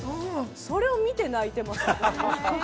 それを見て泣いていますね。